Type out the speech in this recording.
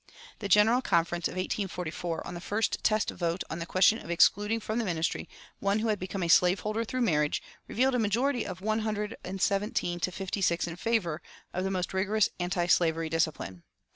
The General Conference of 1844, on the first test vote on the question of excluding from the ministry one who had become a slave holder through marriage, revealed a majority of one hundred and seventeen to fifty six in favor of the most rigorous antislavery discipline.